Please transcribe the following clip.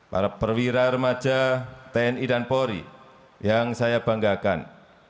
para perwira remaja tni dan polri yang saya banggakan